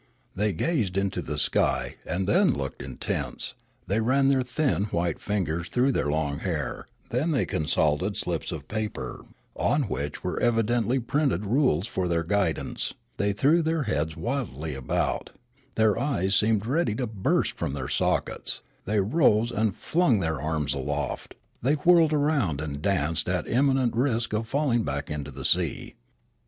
They gazed into the sky, and then looked intense ; the}^ ran their thin white fingers through their long hair; then they consulted slips of paper, on 2 72 Riallaro which were evidentl}' printed rules for their guidance ; they threw their heads wildly about; their eyes seemed ready to burst from their sockets; they rose and flung their arms aloft ; they whirled around and danced at imminent risk of falling back into the sea.